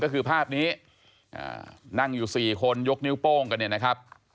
ก็คือภาพนี้นั่งอยู่๔คนยกนิ้วโป้งกันเนี่ยนะครับ